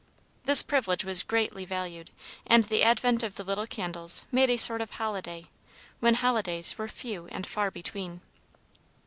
This privilege was greatly valued, and the advent of the little candles made a sort of holiday, when holidays were few and far between.